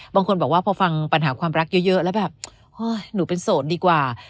บางคนบอกว่าพอฟังปัญหาความรักเยอะแล้วแบบเฮ้ยหนูเป็นโสดดีกว่า